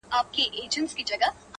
څه مسافره یمه خير دی ته مي ياد يې خو ـ